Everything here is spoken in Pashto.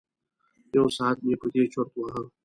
یو ساعت مې په دې چرت وهه.